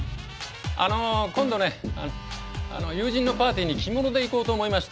あの今度ね友人のパーティーに着物で行こうと思いましてね。